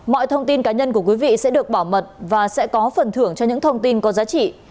mọi thông tin cá nhân của quý vị sẽ được bảo mật và sẽ có phần thưởng cho những thông tin có giá trị